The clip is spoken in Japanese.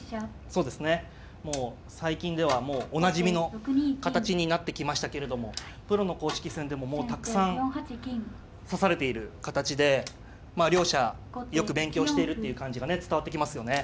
そうですねもう最近ではおなじみの形になってきましたけれどもプロの公式戦でももうたくさん指されている形で両者よく勉強しているっていう感じがね伝わってきますよね。